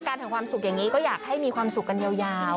ถึงความสุขอย่างนี้ก็อยากให้มีความสุขกันยาว